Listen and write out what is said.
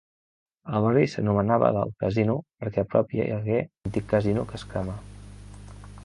El barri s'anomenava del Casino, perquè a prop hi hagué l'antic Casino que es cremà.